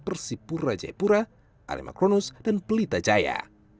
persib purwajepura alema kronus dan pelita jaya